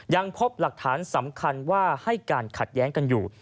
ยังพบหลักฐานสำคัญว่าให้การขัดแย้งกันอยู่